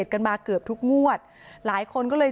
ชั่วโมงตอนพบศพ